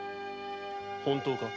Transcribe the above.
本当か？